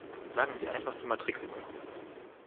Sagen Sie einfach die Matrikelnummer!